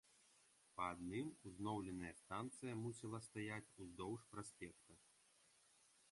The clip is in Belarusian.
Па адным узноўленая станцыя мусіла стаяць уздоўж праспекта.